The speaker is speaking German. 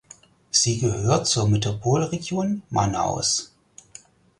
Sie gehört zur Metropolregion Manaus.